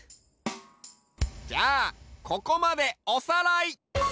じゃあここまでおさらい！